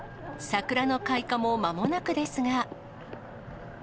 桜の開花もまもなくですが。